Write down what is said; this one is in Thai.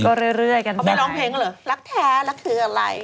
ไปร้องเพลงกันเหรอรักแท้รักเธออะไร